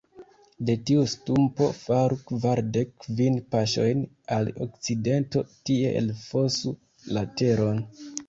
De tiu stumpo faru kvardek kvin paŝojn al okcidento, tie elfosu la teron.